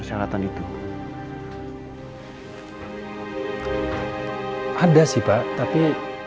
ada sih pak tapi